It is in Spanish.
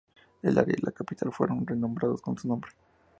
El área y la capital fueron renombrados con su nombre.